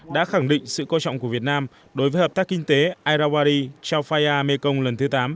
đã khẳng định sự coi trọng của việt nam đối với hợp tác kinh tế aira wari chaofaya mekong lần thứ tám